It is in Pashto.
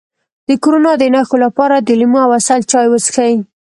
د کرونا د نښو لپاره د لیمو او عسل چای وڅښئ